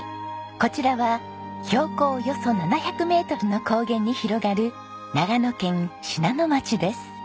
こちらは標高およそ７００メートルの高原に広がる長野県信濃町です。